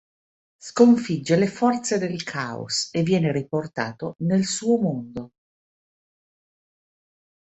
Sconfigge le forze del Caos e viene riportato nel suo mondo.